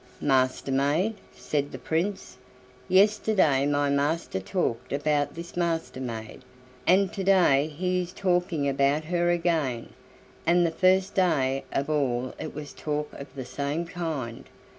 "Master maid?" said the Prince; "yesterday my master talked about this Master maid, and to day he is talking about her again, and the first day of all it was talk of the same kind.